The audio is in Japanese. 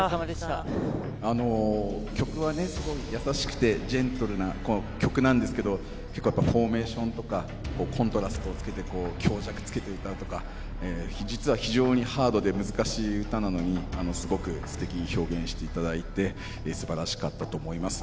曲はね、すごい優しくてジェントルな曲なんですけど、結構やっぱ、フォーメーションとかコントラストをつけて、強弱つけて歌うとか、実は非常にハードで難しい歌なのに、すごくすてきに表現していただいて、すばらしかったと思います。